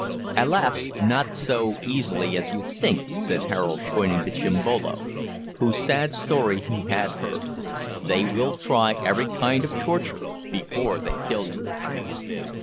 "Alas! not so easily as you think," said Harold, pointing to Chimbolo, whose sad story he had heard; "they will try every kind of torture before they kill you."